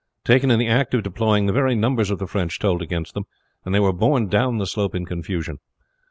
Taken in the act of deploying, the very numbers of the French told against them, and they were borne down the slope in confusion.